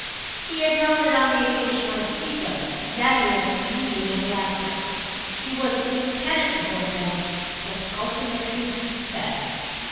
He had known it on the occasion I speak of—that is immediately after. He was impenetrable then, but ultimately confessed.